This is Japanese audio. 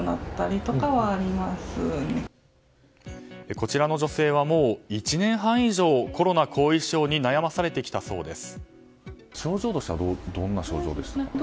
こちらの女性はもう１年半以上コロナ後遺症に悩まされてきたそうです。